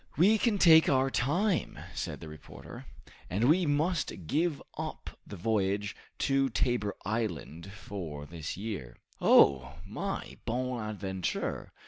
"We can take our time," said the reporter, "and we must give up the voyage to Tabor Island for this year." "Oh, my 'Bonadventure!